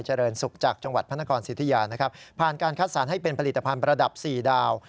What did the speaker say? เจริญศุกร์จากจังหวัดพระนครสิทธิยานะครับผ่านการคัดสรรให้เป็นผลิตภัณฑ์ประดับ๔ดาว